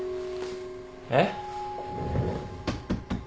えっ？